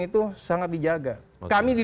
itu sangat dijaga kami di